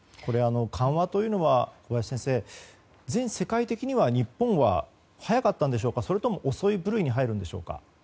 緩和というのは、小林先生全世界的には日本は早かったんでしょうかそれとも遅い部類に入るんでしょうか。